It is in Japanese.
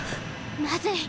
まずい！